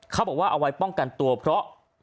เขาบอกว่าเอาไว้ป้องกันตัวเพราะ